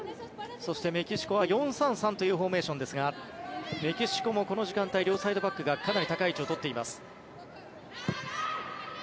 そしてメキシコは４−３−３というフォーメーションですがメキシコもこの時間帯両サイドバックがかなり高い位置を取っています。